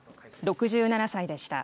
６７歳でした。